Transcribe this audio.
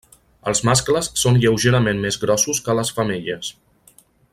Els mascles són lleugerament més grossos que les femelles.